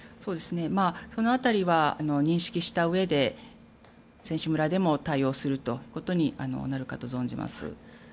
その辺りは認識したうえで選手村でも対応するということになるかと存じます。